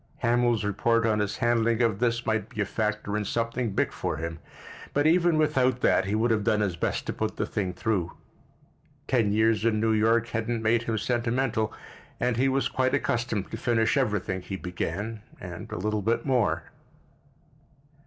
Hamil's report on his handling of this might be a factor in something big for him, but even without that he would have done his best to put the thing through. Ten years in New York hadn't made him sentimental and he was quite accustomed to finish everything he began—and a little bit more.